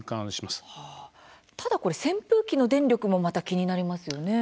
ただこれ扇風機の電力もまた気になりますよね。